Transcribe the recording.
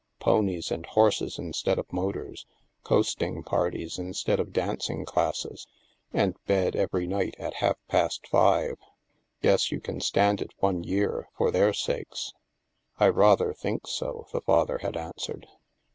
Ponies and horses instead of motors; coasting parties instead of dancing classes ; and bed every night at half past five. Guess you can stand it one year, for their sakes." I rather think so," the father had answered.